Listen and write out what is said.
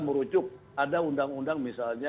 merujuk ada undang undang misalnya